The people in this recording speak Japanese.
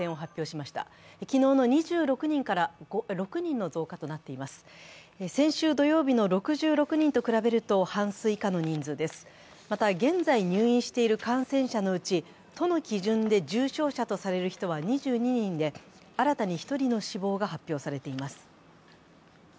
また、現在入院している感染者のうち都の基準で重症者とされる人は２２人で、新たに１人の死亡が発表されています。